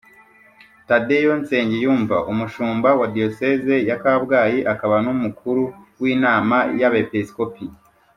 tadeyo nsengiyumva, umushumba wa diyoseze ya kabgayi akaba n'umukuru w'inama y'abepisikopi,